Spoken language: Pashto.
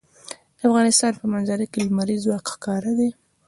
د افغانستان په منظره کې لمریز ځواک ښکاره ده.